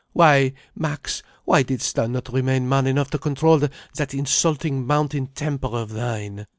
"Why, Max, why didst thou not remain man enough to control that insulting mountain temper of thine.